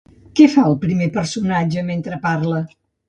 Què fa el primer personatge mentre parla?